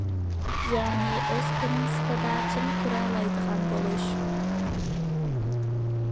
يەنى، ئۆز پىرىنسىپىدا چىڭ تۇرالايدىغان بولۇش.